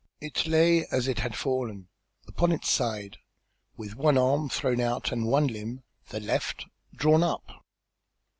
It lay as it had fallen, upon its side, and with one arm thrown out and one limb, the left, drawn up.